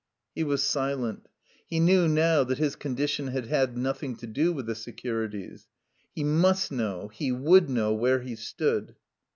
He was silent. He knew now that his condition had had nothing to do with the securities. He must know, he would know, where he stood.